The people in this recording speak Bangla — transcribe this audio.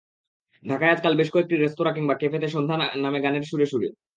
ঢাকায় আজকাল বেশ কয়েকটি রেস্তোরাঁ কিংবা ক্যাফেতে সন্ধ্যা নামে গানের সুরে সুরে।